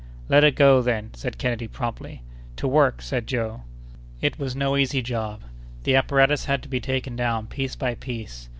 "Let it go, then!" said Kennedy, promptly. "To work!" said Joe. It was no easy job. The apparatus had to be taken down piece by piece.